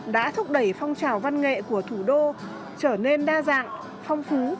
đã thúc đẩy phong trào văn nghệ của thủ đô trở nên đa dạng phong phú